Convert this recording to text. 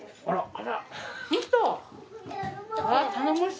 あら！